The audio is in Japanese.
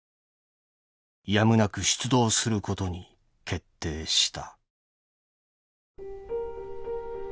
やむなく出動することに決定した」。